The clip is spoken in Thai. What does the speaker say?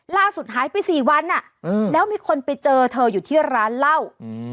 ลาสุดหายไปสี่วันอ่ะอืมแล้วมีคนไปเจอเธออยู่ที่ร้านเหล้าอืม